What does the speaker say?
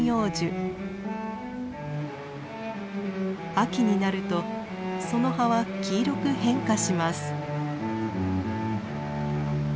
秋になるとその葉は黄色く変化します。